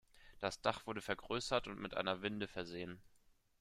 Das Dach wurde vergrößert und mit einer Winde versehen.